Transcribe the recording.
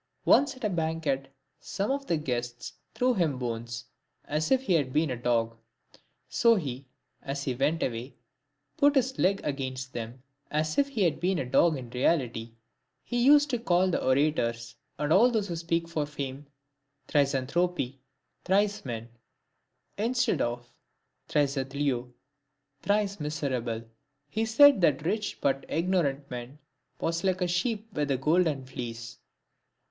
Once at a banquet, some of the guests threw him bones, as if he had been a dog ; so he, as he went away, put up his leg against them as if he had been a dog in reality. He used to call the orators, and all those who speak for fame rgic,a\/6otoKot (thrice men), instead of rgicdQXioi (thrice misera ble). He said that a rich but ignorant man, was like a sheep with a golden fleece.